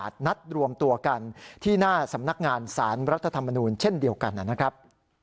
สำนักงานศาลรัฐธรรมนูญเช่นเดียวกันนะครับ